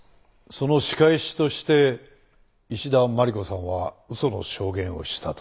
その仕返しとして石田真理子さんは嘘の証言をしたと言うんですね？